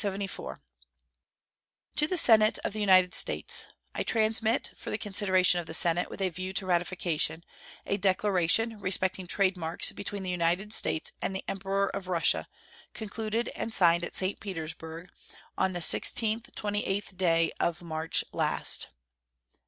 To the Senate of the United States: I transmit, for the consideration of the Senate with a view to ratification, a declaration respecting trade marks between the United States and the Emperor of Russia, concluded and signed at St. Petersburg on the 16/28 day of March last.